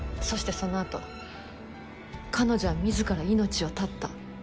そしてそのあと彼女は自ら命を絶った。